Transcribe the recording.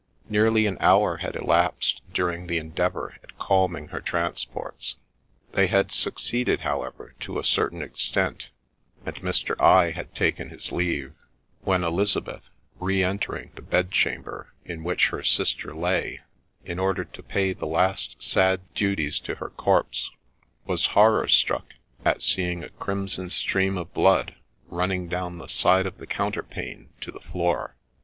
Nearly an hour had elapsed during the endeavour at calming her transports ; they had succeeded, how ever, to a certain extent, and Mr. I had taken his leave, when Elizabeth, re entering the bed chamber in which her sister lay, in order to pay the last sad duties to her corpse, was horror struck at seeing a crimson stream of blood running down the side of the counterpane to the floor.